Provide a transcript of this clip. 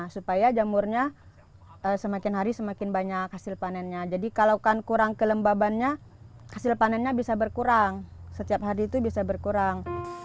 supaya jamurnya semakin hari semakin banyak hasil panennya jadi kalau kan kurang kelembabannya hasil panennya bisa berkurang setiap hari itu bisa berkurang